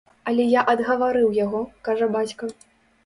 Але я адгаварыў яго, кажа бацька.